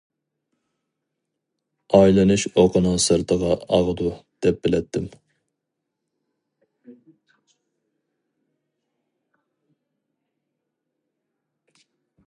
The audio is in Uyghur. ئايلىنىش ئوقىنىڭ سىرتىغا ئاغىدۇ دەپ بىلەتتىم.